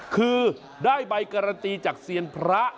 คือได้ใบการันตีจากเซียนพระ